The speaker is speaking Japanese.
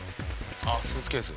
あっスーツケース？